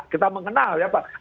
kita mengenal ya pak